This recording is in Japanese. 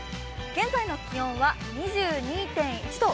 現在の気温は２２．１度。